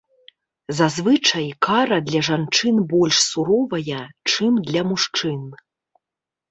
Зазвычай, кара для жанчын больш суровая, чым для мужчын.